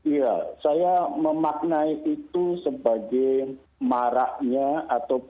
iya saya memaknai itu sebagai marahnya atau perasaan